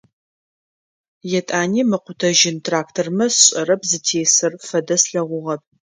Етӏани мыкъутэжьын трактормэ сшӏэрэп зытесыр, фэдэ слъэгъугъэп.